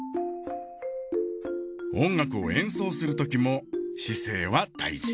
音楽を演奏するときも姿勢は大事。